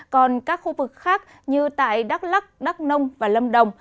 còn các khu vực khác như tại đắk lắc đắk nông và lâm đồng